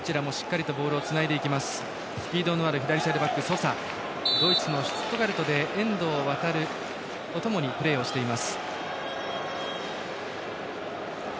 ソサドイツのシュツットガルトで遠藤航と一緒にプレーをしています。